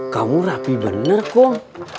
kamu rapi bener kom